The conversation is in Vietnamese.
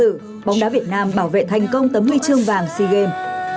cư dân mạng đã có một bóng đá việt nam bảo vệ thành công tấm huy chương vàng sigem